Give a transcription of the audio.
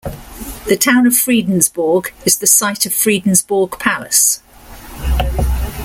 The town of Fredensborg is the site of Fredensborg Palace.